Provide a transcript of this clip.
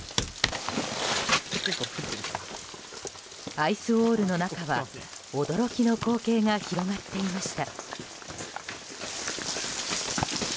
アイスウォールの中は驚きの光景が広がっていました。